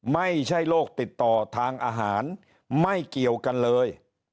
ไม่ใช่โรคติดต่อทางอาหารไม่เกี่ยวกันเลย